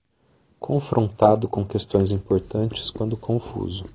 Confrontado com questões importantes quando confuso